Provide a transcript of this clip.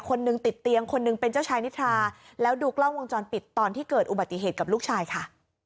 คนหนึ่งติดเตียงคนหนึ่งเป็นเจ้าชายนิทราแล้วดูกล้องวงจรปิดตอนที่เกิดอุบัติเหตุกับลูกชายค่ะ